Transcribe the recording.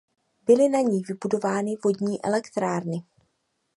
Byly na ní vybudovány vodní elektrárny.